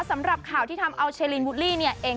สำหรับข่าวที่ทำเอาเชลินวูดลี่เนี่ยเอง